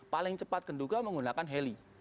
paling cepat kenduga menggunakan heli